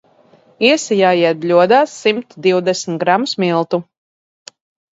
Iesijājiet bļodā simt divdesmit gramus miltu.